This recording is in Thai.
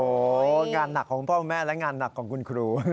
โอ้โหงานหนักของพ่อคุณแม่และงานหนักของคุณครู